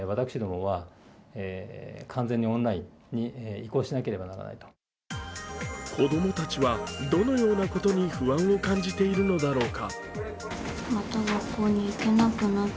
しかし子供たちはどのようなことに不安を感じているのだろうか。